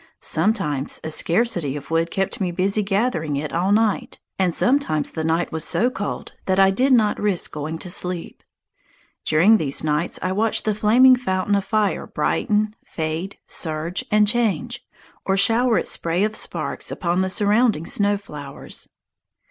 Sometimes a scarcity of wood kept me busy gathering it all night; and sometimes the night was so cold that I did not risk going to sleep. During these nights I watched my flaming fountain of fire brighten, fade, surge, and change, or shower its spray of sparks upon the surrounding snow flowers.